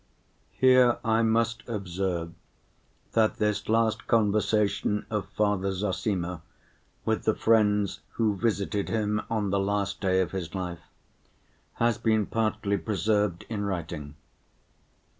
Here I must observe that this last conversation of Father Zossima with the friends who visited him on the last day of his life has been partly preserved in writing.